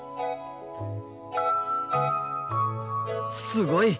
すごい！